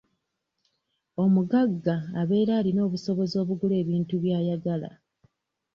Omugagga abeera alina obusobozi obugula ebintu by'ayagala.